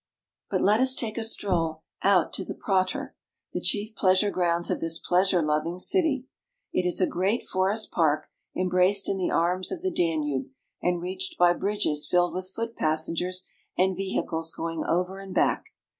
But let us take a stroll out to the Prater (pra'ter), the chief pleasure grounds of this pleasure loving city. It is a great forest park, embraced in the arms of the Danube, and reached by bridges filled with foot passengers and vehicles going over and back.